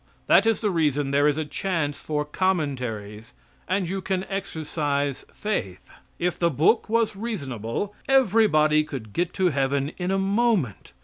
That is the reason there is a chance for commentaries, and you can exercise faith. If the book was reasonable everybody could get to heaven in a moment.